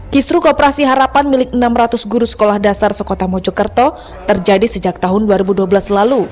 kisru kooperasi harapan milik enam ratus guru sekolah dasar sekota mojokerto terjadi sejak tahun dua ribu dua belas lalu